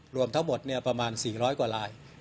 รวมทั้งหมดประมาณ๔๐๐กว่าลาย